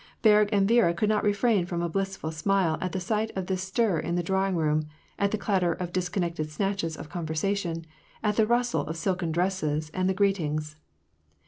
Berg and Viera could not refrain from a blissful smile at the sight of this stir in the drawing room, at the clatter of disconnected snatches of conversation, at the rustle of silken dresses, and the greetings.